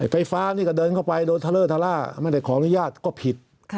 ไฟฟ้านี่ก็เดินเข้าไปโดนทะเลอร์ทะล่าไม่ได้ขออนุญาตก็ผิด